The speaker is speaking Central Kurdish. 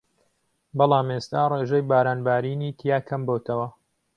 بەڵام ئێستا ڕێژەی باران بارینی تیا کەم بۆتەوە